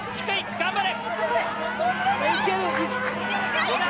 頑張れ！